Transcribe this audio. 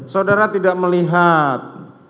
saudara tidak melihat